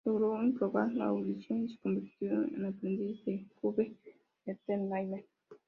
Logró aprobar la audición y se convirtió en aprendiz de Cube Entertainment.